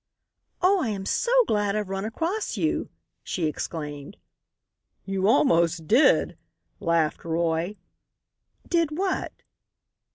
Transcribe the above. "Oh, I am so glad I've run across you," she exclaimed. "You almost did," laughed Roy. "Did what?"